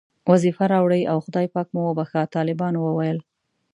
وظیفه راوړئ او خدای پاک مو وبښه، طالبانو وویل.